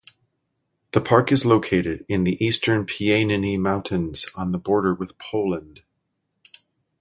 The park is located in the eastern Pieniny Mountains on the border with Poland.